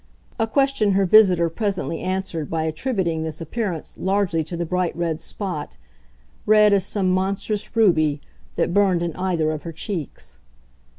a question her visitor presently answered by attributing this appearance largely to the bright red spot, red as some monstrous ruby, that burned in either of her cheeks.